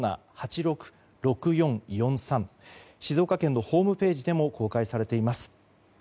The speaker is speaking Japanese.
静岡県のホームページでも公表されています。